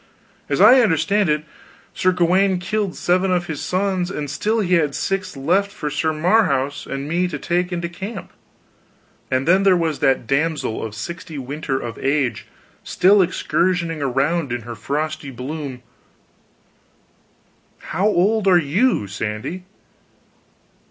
As I understand it, Sir Gawaine killed seven of his sons, and still he had six left for Sir Marhaus and me to take into camp. And then there was that damsel of sixty winter of age still excursioning around in her frosty bloom How old are you, Sandy?"